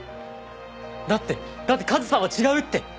だってだって和沙は違うって！